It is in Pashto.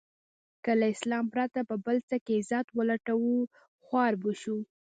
که له اسلام پرته په بل څه کې عزت و لټوو خوار به شو.